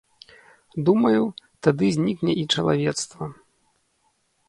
Думаю, тады знікне і чалавецтва.